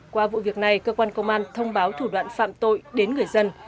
qua vụ việc này cơ quan công an thông báo thủ đoạn phạm tội đến người dân